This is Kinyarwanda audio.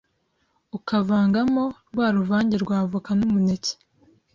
ukavangamo rwa ruvange rwa avoka n’umuneke